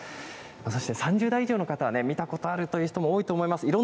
そして、３０代以上の方は見たことあるという人も多いと思います。